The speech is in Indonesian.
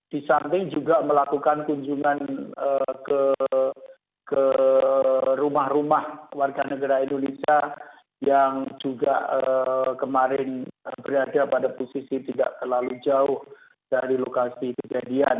di samping juga melakukan kunjungan ke rumah rumah warga negara indonesia yang juga kemarin berada pada posisi tidak terlalu jauh dari lokasi kejadian